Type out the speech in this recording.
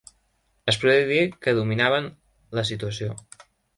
Es podia dir que dominaven la situació